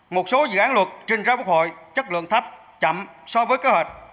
một số dự án luật trình ra quốc hội chất lượng thấp chậm so với kế hoạch